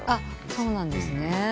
そうなんですね。